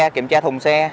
kiểm tra thùng xe